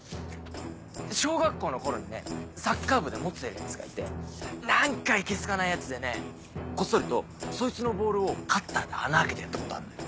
小学校の頃にねサッカー部でモテてるヤツがいて何かいけ好かないヤツでねこっそりとそいつのボールをカッターで穴開けてやったことあるのよ。